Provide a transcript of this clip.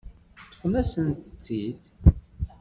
Ṭṭfen-asent-tt-id.